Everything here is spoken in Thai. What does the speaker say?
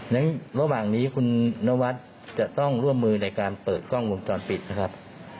ระหว่างนี้คุณนวัดจะต้องร่วมมือในการเปิดกล้องวงจรปิดนะครับ